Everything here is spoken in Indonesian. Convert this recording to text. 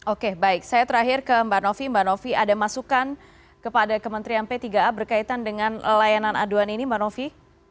oke baik saya terakhir ke mbak novi mbak novi ada masukan kepada kementerian p tiga a berkaitan dengan layanan aduan ini mbak novi